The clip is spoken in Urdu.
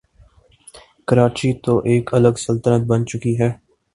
کراچی تو ایک الگ سلطنت بن چکی تھی۔